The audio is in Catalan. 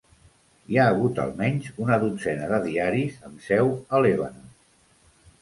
Hi ha hagut almenys una dotzena de diaris amb seu a Lebanon.